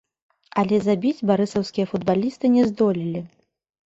Але забіць барысаўскія футбалісты не здолелі.